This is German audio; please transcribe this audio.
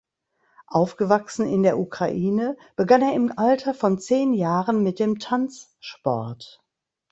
Aufgewachsen in der Ukraine begann er im Alter von zehn Jahren mit dem Tanzsport.